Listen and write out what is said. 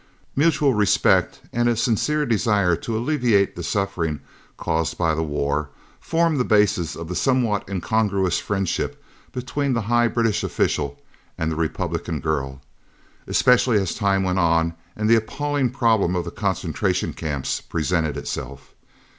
Mutual respect, and a sincere desire to alleviate the suffering caused by the war, formed the basis of the somewhat incongruous friendship between the high British official and the Republican girl, especially as time went on and the appalling problem of the concentration camps presented itself.